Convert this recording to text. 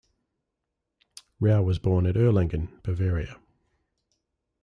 Rau was born at Erlangen, Bavaria.